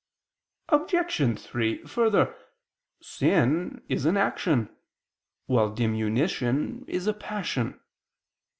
Obj. 3: Further, sin is an action, while diminution is a passion.